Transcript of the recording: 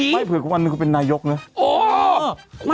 ไอ้ว่าเผื่อวันหนึ่งกูเป็นนายกนะ